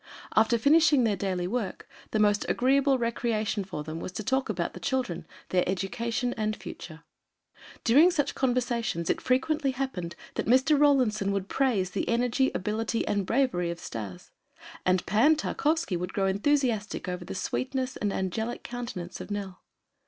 After finishing their daily work the most agreeable recreation for them was to talk about the children, their education and future. During such conversations it frequently happened that Mr. Rawlinson would praise the ability, energy, and bravery of Stas and Pan Tarkowski would grow enthusiastic over the sweetness and angelic countenance of Nell.